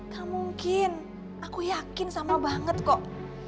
gak mungkin aku yakin sama banget kok